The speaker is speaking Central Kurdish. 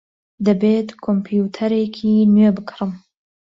دەبێت کۆمپیوتەرێکی نوێ بکڕم.